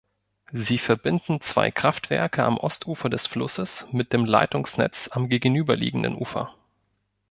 Sie verbinden zwei Kraftwerke am Ostufer des Flusses mit dem Leitungsnetz am gegenüberliegenden Ufer.